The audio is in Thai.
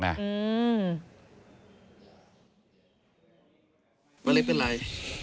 วันนี้เป็นไร